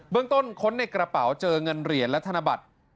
เรื่องต้นค้นในกระเป๋าเจอเงินเหรียญและธนบัตร